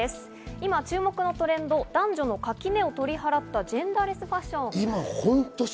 今注目のトレンド、男女の垣根を取り払ったジェンダーレスファッションです。